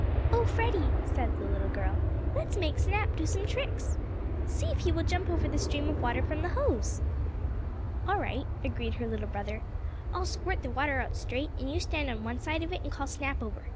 "Oh, Freddie," said the little girl, "let's make Snap do some tricks. See if he will jump over the stream of water from the hose." "All right," agreed her little brother. "I'll squirt the water out straight, and you stand on one side of it and call Snap over.